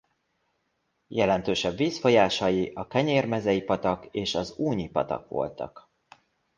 Jelentősebb vízfolyásai a Kenyérmezei-patak és az Únyi-patak voltak.